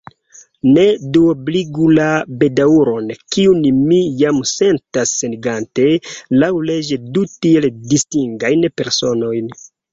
Ne duobligu la bedaŭron, kiun mi jam sentas senigante laŭleĝe du tiel distingajn personojn.